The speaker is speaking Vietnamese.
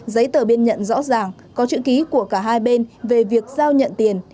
giấy tờ biên nhận rõ ràng có chữ ký của cả hai bên về việc giao nhận tiền